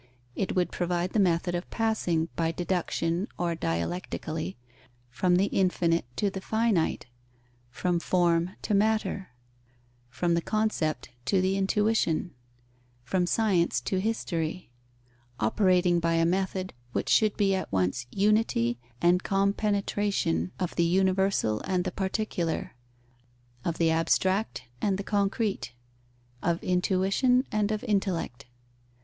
It would provide the method of passing, by deduction or dialectically, from the infinite to the finite, from form to matter, from the concept to the intuition, from science to history, operating by a method which should be at once unity and compenetration of the universal and the particular, of the abstract and the concrete, of intuition and of intellect.